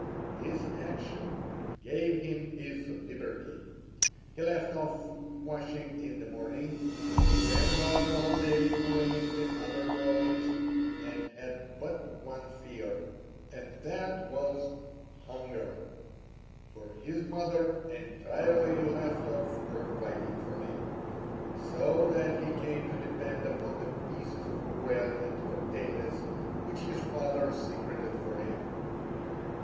This action gave him his liberty. He left off washing in the morning, ran about all day bullying the other boys, and had but one fear, and that was hunger, for his mother entirely left off providing for him, so that he came to depend upon the pieces of bread and potatoes which his father secreted for him.